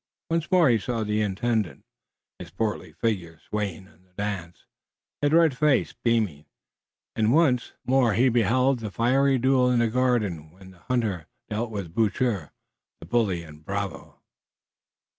Once more he saw the Intendant, his portly figure swaying in the dance, his red face beaming, and once more he beheld the fiery duel in the garden when the hunter dealt with Boucher, the bully and bravo.